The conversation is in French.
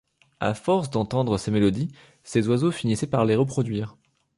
À force d'entendre ces mélodies, ces oiseaux finissaient par les reproduire.